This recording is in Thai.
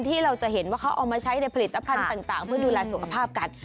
ที่เราจะเห็นว่าเขาเอามาใช้ในผลิตภัณฑ์ต่างเพื่อดูแลสุขภาพกัน